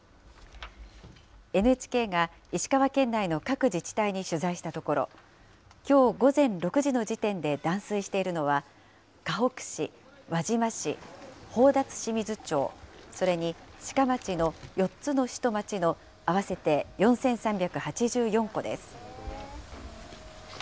ＮＨＫが石川県内の各自治体に取材したところ、きょう午前６時の時点で断水しているのは、かほく市、輪島市、宝達志水町、それに志賀町の４つの市と町の合わせて４３８４戸です。